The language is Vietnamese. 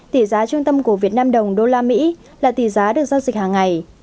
tỷ giá trung tâm của việt nam đồng đô la mỹ là tỷ giá được giao dịch hàng ngày